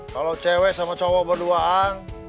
kalau cewek sama cowok berduaan